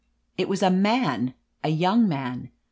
It was a man — a young man.